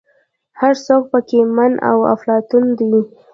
هر څوک په کې من او افلاطون دی.